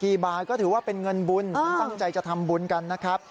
กี่บาทก็ถือว่าเป็นเงินบุญตั้งใจจะทำบุญกันนะครับ